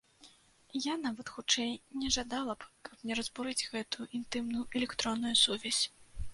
Я нават, хутчэй, не жадала б, каб не разбурыць гэтую інтымную электронную сувязь.